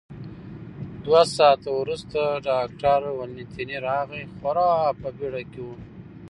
دوه ساعته وروسته ډاکټر والنتیني راغی، خورا په بېړه کې و.